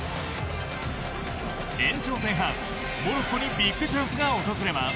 延長前半、モロッコにビッグチャンスが訪れます。